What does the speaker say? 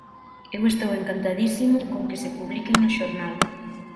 Eu estou encantadísimo con que se publiquen no xornal.